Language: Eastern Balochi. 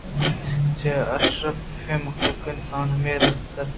چرےاشرفیں مخلوق اِنسان ءَ ہمے رستر